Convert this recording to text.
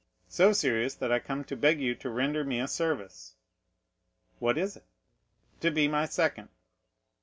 "So serious, that I come to beg you to render me a service." "What is it?" "To be my second."